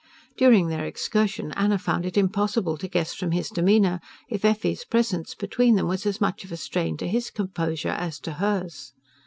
During their excursion Anna found it impossible to guess from his demeanour if Effie's presence between them was as much of a strain to his composure as to hers.